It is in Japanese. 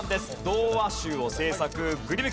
童話集を制作。